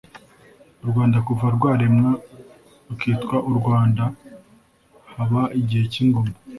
'u rwanda kuva rwaremwa rukitwa u rwanda, haba igihe cy'ingoma